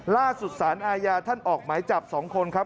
ล่าสุดสารอาญาท่านออกหมายจับ๒คนครับ